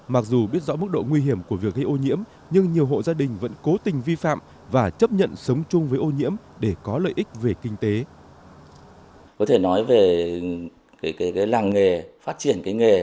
mặc dù biết rõ mức độ nguy hiểm của việc gây ô nhiễm nhưng nhiều hộ gia đình vẫn cố tình vi phạm và chấp nhận sống chung với ô nhiễm để có lợi ích về kinh tế